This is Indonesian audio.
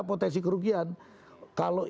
potensi kerugian kalau